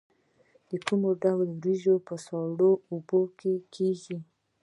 کوم ډول وریجې په سړو اوبو کې کیږي؟